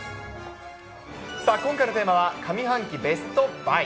さあ、今回のテーマは、上半期ベストバイ。